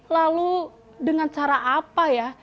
lalu dengan cara apa ya